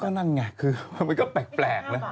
นั่นไงคือมันก็แปลกนะ